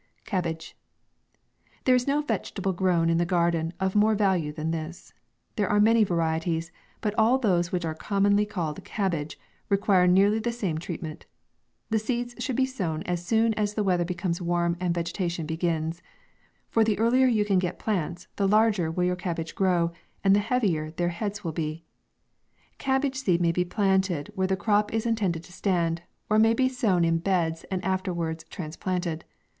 CABBAGE. There is no vegetable grown in the gar den, of more value than this. There are many varieties, but all those which are com monly called cabbage, require nearly the same treatment. The seeds should be sown as soon as the weather becomes warm, and vegetation begins : for the earlier you can get plants, the larger will your cabbage grow, and the heavier Iheir heads will be. Cabbage seed may be planted where the 76 MAV. crop is intended to stand, or may be sown in beds, and afterwards transplanted.